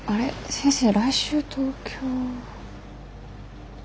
先生来週東京。